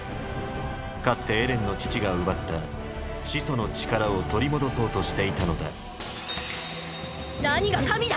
かつてエレンの父が奪った「始祖の力」を取り戻そうとしていたのだ何が神だ！！